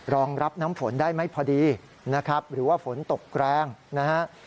รองรับน้ำฝนได้ไหมพอดีนะครับหรือว่าฝนตกแรงนะฮะ